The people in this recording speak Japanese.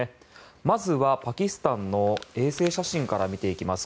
まずはパキスタンの衛星写真から見ていきます。